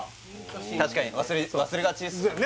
確かに忘れがちですね